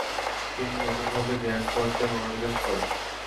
তিনি নতুনভাবে জ্ঞানচর্চায় মনোনিবেশ করেন।